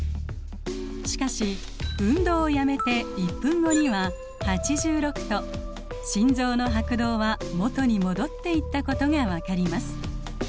しかし運動をやめて１分後には８６と心臓の拍動は元に戻っていったことが分かります。